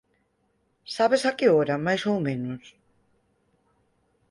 Sabes a que hora, máis ou menos?